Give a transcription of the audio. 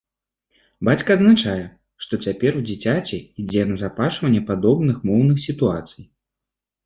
Бацька адзначае, што цяпер у дзіцяці ідзе назапашванне падобных моўных сітуацый.